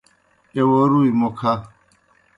ایہ وو روْئی موْ کھہ